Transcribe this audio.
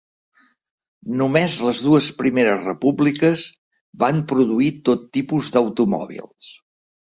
Només les dues primeres repúbliques van produir tot tipus d'automòbils.